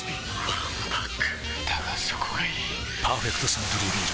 わんぱくだがそこがいい「パーフェクトサントリービール糖質ゼロ」